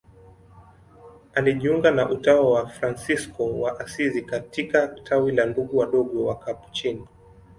Alijiunga na utawa wa Fransisko wa Asizi katika tawi la Ndugu Wadogo Wakapuchini.